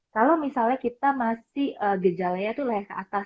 kalau misalnya kita masih gejalanya tuh leher ke atas